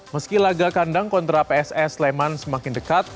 meski laga kandang kontra pss sleman semakin dekat